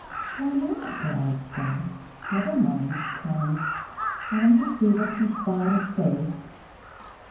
"Why not?" they all exclaimed. "Never mind. Come. I want to see what's inside i' faith."